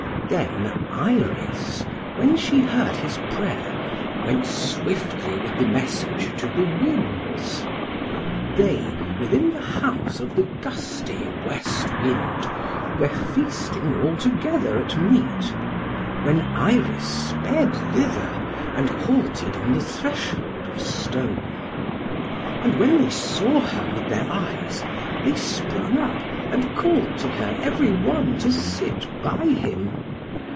Then Iris, when she heard his prayer, went swiftly with the message to the Winds. They within the house of the gusty West Wind were feasting all together at meat, when Iris sped thither, and halted on the threshold of stone. And when they saw her with their eyes, they sprung up and called to her every one to sit by him.